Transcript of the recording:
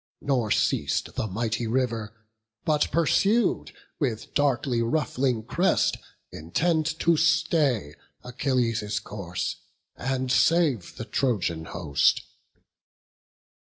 Nor ceas'd the mighty River, but pursued, With darkly ruffling crest, intent to stay Achilles' course, and save the Trojan host.